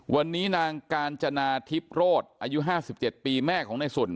วันนี้นางกาญจนาทิปโรดอายุห้าสิบเจ็ดปีแม่ของในศุลย์